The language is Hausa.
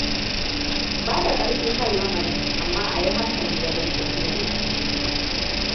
Bada karfi kan lamarin, amma a yi hankali wajen tafiyarwa!